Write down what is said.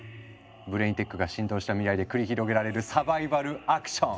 ブレインテックが浸透した未来で繰り広げられるサバイバルアクション！